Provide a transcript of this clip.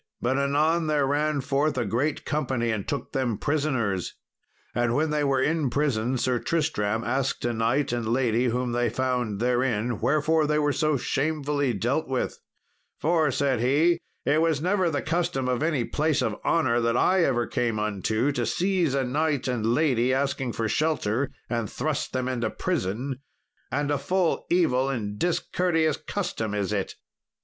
But anon there ran forth a great company and took them prisoners. And when they were in prison, Sir Tristram asked a knight and lady whom they found therein wherefore they were so shamefully dealt with; "for," said he, "it was never the custom of any place of honour that I ever came unto to seize a knight and lady asking shelter and thrust them into prison, and a full evil and discourteous custom is it."